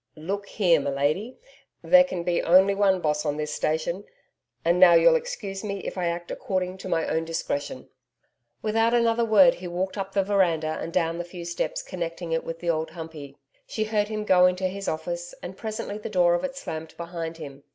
'Look here, milady there can be only one boss on this station. And now you'll excuse me if I act according to my own discretion.' Without another word he walked up the veranda and down the few steps connecting it with the Old Humpey. She heard him go into his office, and presently the door of it slammed behind him.